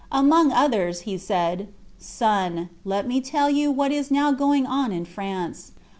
Among others, he said, "Son, let me tell you what is now going on in France.